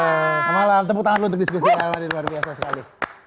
selamat malam tepuk tangan lu untuk diskusi ya mari luar biasa sekali